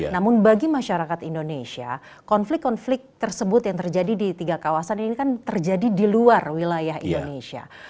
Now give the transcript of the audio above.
namun bagi masyarakat indonesia konflik konflik tersebut yang terjadi di tiga kawasan ini kan terjadi di luar wilayah indonesia